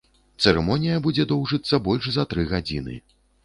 Цырымонія будзе доўжыцца больш за тры гадзіны.